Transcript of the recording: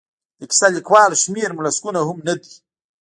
د کیسه لیکوالو شمېر مو لسګونه هم نه دی.